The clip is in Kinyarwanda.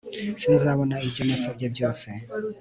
sinzabona ibyo nasabye byose